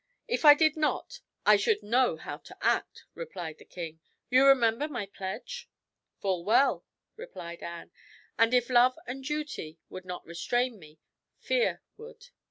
"If I did not, I should know how to act," replied the king. "You remember my pledge?" "Full well," replied Anne; "and if love and duty would not restrain me, fear would."